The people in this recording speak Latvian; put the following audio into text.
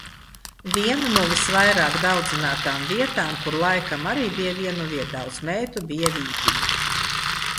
Viena no visvairāk daudzinātām vietām, kur laikam arī bija vienuviet daudz meitu, bija Vītiņi.